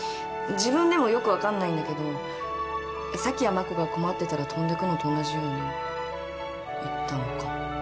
自分でもよく分かんないんだけど咲や真子が困ってたら飛んでくのと同じように行ったのかも。